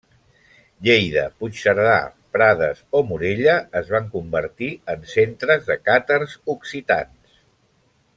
Lleida, Puigcerdà, Prades o Morella es van convertir en centres de càtars occitans.